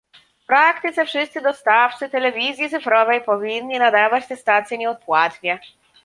W praktyce wszyscy dostawcy telewizji cyfrowej powinni nadawać te stacje nieodpłatnie